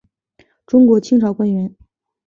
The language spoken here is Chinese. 中国清朝官员。